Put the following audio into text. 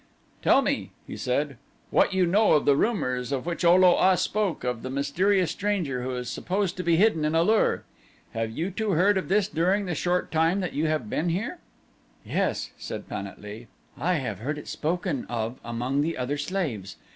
"Tell me," he said, "what you know of the rumors of which O lo a spoke of the mysterious stranger which is supposed to be hidden in A lur. Have you too heard of this during the short time that you have been here?" "Yes," said Pan at lee, "I have heard it spoken of among the other slaves.